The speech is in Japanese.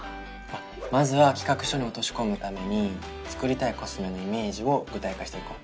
まずは企画書に落とし込むために作りたいコスメのイメージを具体化していこう。